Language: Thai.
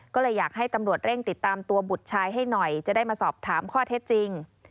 ก็เลยอยากให้ตำรวจเร่งติดตามตัวบุตรชายให้หน่อยจะได้มาสอบถามข้อเท็จจริง